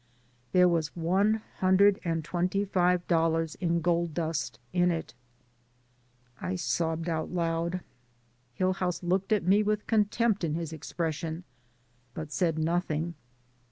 There was one hundred and twenty five dollars in gold dust in it. I sobbed out loud. Hillhouse looked at me with contempt in his expression, but said nothing.